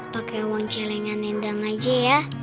pakai uang celengan nendang aja ya